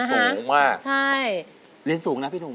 เพื่อจะไปชิงรางวัลเงินล้าน